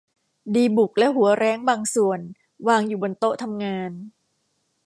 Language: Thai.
ดีบุกและหัวแร้งบางส่วนวางอยู่บนโต๊ะทำงาน